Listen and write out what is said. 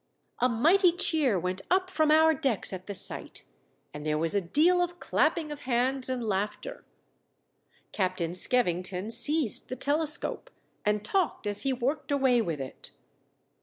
A mighty cheer went up from our decks at 26 THE DEATH SHIP. the sight, and there was a deal of clapping of hands and laughter. Captain Skevington seized the telescope, and talked as he worked away with it.